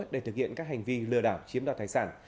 để thực hiện các hành vi lừa đảo chiếm đoạt tài sản